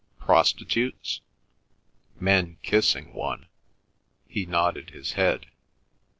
"Prostitutes?" "Men kissing one." He nodded his head.